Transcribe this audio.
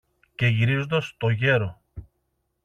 Και γυρίζοντας στο γέρο